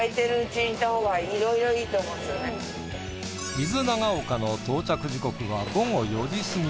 伊豆長岡の到着時刻は午後４時過ぎ。